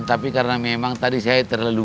tapi karena memang tadi saya terlalu